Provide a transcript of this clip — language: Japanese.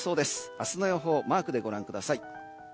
明日の予報をマークでご覧ください。